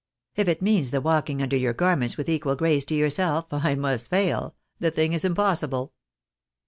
" If it means the walking under your gar ments with equal grace to yourself, I must fail ; the thing is impossible."